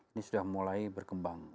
ini sudah mulai berkembang